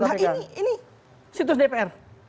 nah ini situs dpr